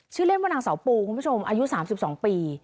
ชื่อเล่นว่านางสาวปูคุณผู้ชมอายุสามสิบสองปี